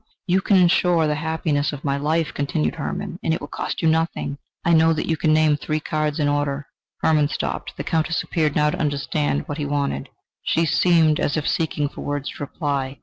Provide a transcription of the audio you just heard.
"You can insure the happiness of my life," continued Hermann, "and it will cost you nothing. I know that you can name three cards in order " Hermann stopped. The Countess appeared now to understand what he wanted; she seemed as if seeking for words to reply.